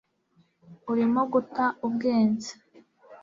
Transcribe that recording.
urimo guta ubwenge